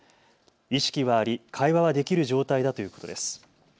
意識はあり、会話はできる状態だということです。